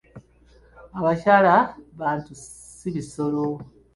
Abyakala bantu, si bisolo.